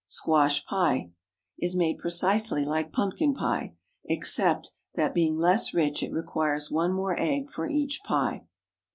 SQUASH PIE Is made precisely like pumpkin pie, except that, being less rich, it requires one more egg for each pie.